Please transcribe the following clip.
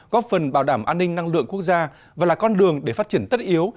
góp phần bảo đảm an ninh năng lượng quốc gia và là con đường để phát triển tất yếu